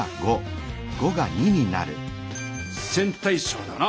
「線対称」だな。